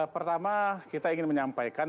pertama kita ingin menyampaikan